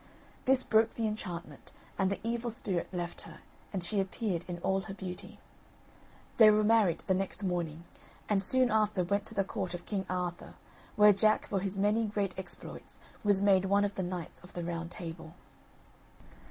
This broke the enchantment and the evil spirit left her, and she appeared in all her beauty. They were married the next morning, and soon after went to the court of King Arthur, where Jack for his many great exploits, was made one of the Knights of the Round Table.